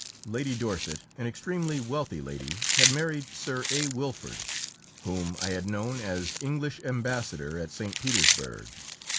Lady Dorset, an extremely wealthy lady, had married Sir A. Wilford, whom I had known as English Ambassador at St. Petersburg.